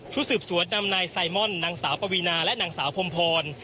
สืบสวนนำนายไซมอนนางสาวปวีนาและนางสาวพรมพร